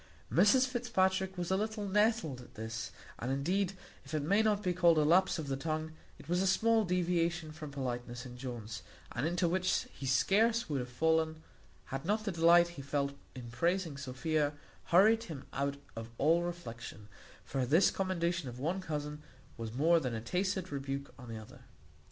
Mrs Fitzpatrick was a little nettled at this; and indeed, if it may not be called a lapse of the tongue, it was a small deviation from politeness in Jones, and into which he scarce would have fallen, had not the delight he felt in praising Sophia hurried him out of all reflection; for this commendation of one cousin was more than a tacit rebuke on the other.